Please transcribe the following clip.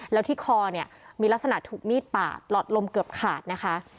แล้วที่คอเนี่ยมีลักษณะถูกมีดปาดหลอดลมเกือบขาดนะคะ